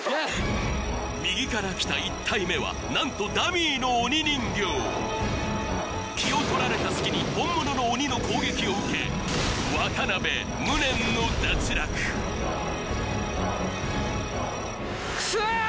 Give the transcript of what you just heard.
右から来た１体目は何とダミーの鬼人形気をとられた隙に本物の鬼の攻撃を受け渡辺無念の脱落クソー！